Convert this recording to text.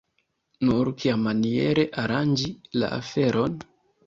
Nur kiamaniere aranĝi la aferon?